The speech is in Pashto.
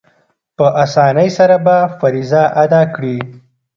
په آسانۍ سره به فریضه ادا کړي.